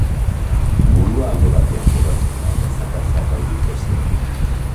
Burua alde batean kokatzen da, eta zakatzak, aldiz, bestean.